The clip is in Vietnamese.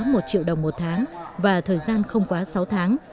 một triệu đồng một tháng và thời gian không quá sáu tháng